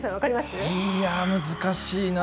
いやぁ、難しいなぁ。